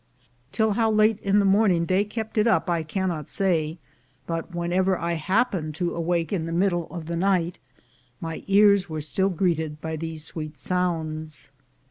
Till how late in the morning they kept it up I cannot say, but whenever I happened to av/ake in the middle of the night, my ears were still greeted by these sweet sounds.